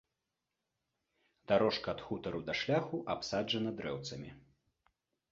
Дарожка ад хутару да шляху абсаджана дрэўцамі.